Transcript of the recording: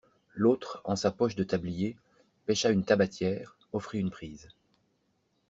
L'autre, en sa poche de tablier, pêcha une tabatière, offrit une prise.